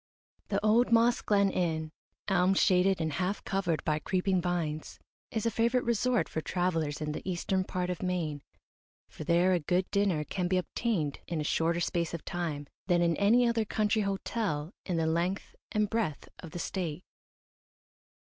The old Moss Glen Inn, elm shaded and half covered by creeping vines, is a favourite resort for travellers in the eastern part of Maine, for there a good dinner can be obtained in a shorter space of time than in any other country hotel in the length and breadth of the State.